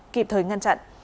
kịp thời ngăn chặn